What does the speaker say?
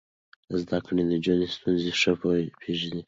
زده کړې نجونې ستونزې ښه پېژني.